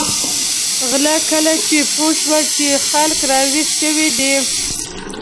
غله لکه چې پوه شول چې خلک را وېښ شوي دي.